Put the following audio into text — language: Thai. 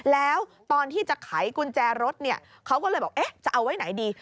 แล้วตอนที่จะไขกุญแจรถคือเราก็เอาไว้ไหนดี